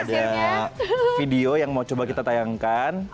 ada video yang mau coba kita tayangkan